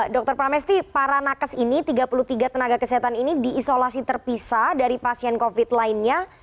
dr pramesti para nakes ini tiga puluh tiga tenaga kesehatan ini diisolasi terpisah dari pasien covid lainnya